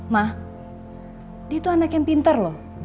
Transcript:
ma dia tuh anak yang pinter loh